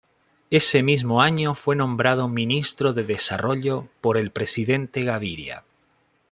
Ese mismo año fue nombrado Ministro de Desarrollo por el presidente Gaviria.